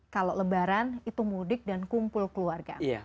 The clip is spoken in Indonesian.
kalau lebaran itu mudik dan kumpul keluarga